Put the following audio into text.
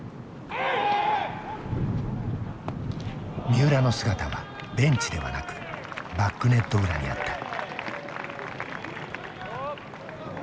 三浦の姿はベンチではなくバックネット裏にあった。